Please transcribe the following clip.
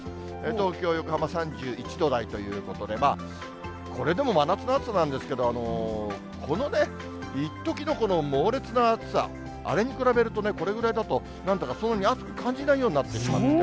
東京、横浜３１度台ということで、これでも真夏の暑さなんですけど、このね、いっときのこの猛烈な暑さ、あれに比べるとね、これぐらいだと、なんだかそんなに暑く感じないようになってきますね。